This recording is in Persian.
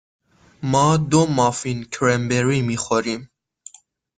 ما دو مافین کرنبری می خوریم.